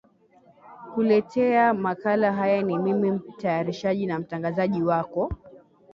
kuletea makala haya ni mimi mtayarishaji na mtangazaji wako